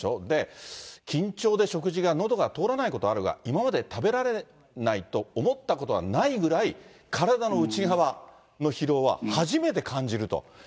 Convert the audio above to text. で、緊張で食事がのどが通らないことがあるが、今まで食べられないと思ったことはないぐらい、体の内側の疲労は初めて感じると。